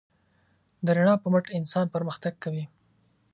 د رڼا په مټ انسان پرمختګ کوي.